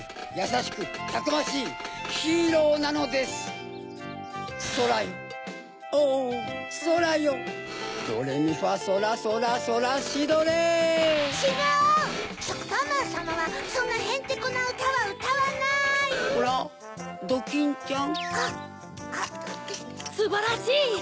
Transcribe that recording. すばらしい！